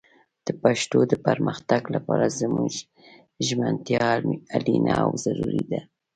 د پښتو د پرمختګ لپاره زموږ ژمنتيا اړينه او ضروري ده